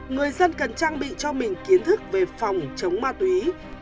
người dân cần trang bị cho mình kiến thức về phòng chống ma túy